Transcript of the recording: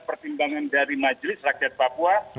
pertimbangan dari majelis rakyat papua